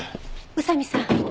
宇佐見さん。